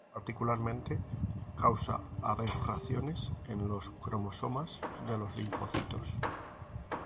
Particularmente, causa "aberraciones en los cromosomas" de los linfocitos.